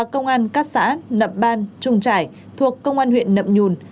các xã nậm ban trung trải thuộc công an huyện nậm nhùn